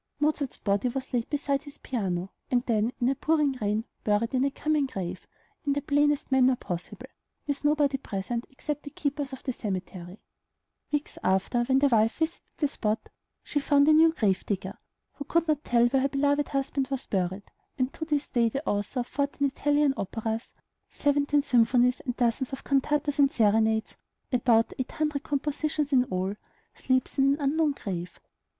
Mozart's body was laid beside his piano, and then, in a pouring rain, buried in a "common grave," in the plainest manner possible, with nobody present except the keepers of the cemetery. Weeks after, when the wife visited the spot, she found a new grave digger, who could not tell where her beloved husband was buried, and to this day the author of fourteen Italian operas, seventeen symphonies, and dozens of cantatas and serenades, about eight hundred compositions in all, sleeps in an unknown grave.